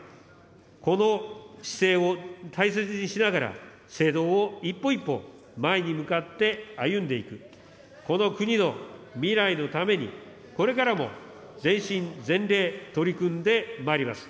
この姿勢を大切にしながら、正道を一歩一歩、前に向かって歩んでいく、この国の未来のために、これからも全身全霊、取り組んでまいります。